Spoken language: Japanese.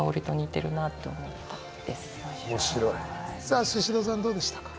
さあシシドさんどうでしたか？